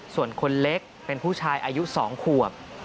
ส่วนคนเล็กเป็นผู้ชายอายุ๒ขวบ